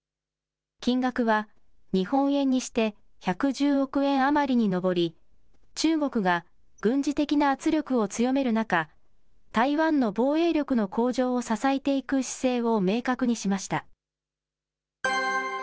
金額は日本円にして１１０億円余りに上り、中国が軍事的な圧力を強める中、台湾の防衛力の向上を支えていく姿勢を明確にしました。